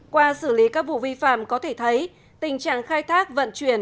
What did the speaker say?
qua xử lý các vụ vi phạm có thể thấy tình trạng khai thác vận chuyển